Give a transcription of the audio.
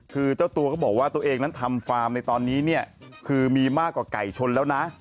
คือเจ้าตัวก็บอกว่าตัวเองนั้นทำฟาร์มในตอนนี้เนี่ยคือมีมากกว่าไก่ชนแล้วนะ